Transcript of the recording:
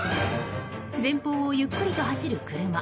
前方をゆっくりと走る車。